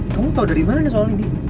kamu tahu dari mana soal ini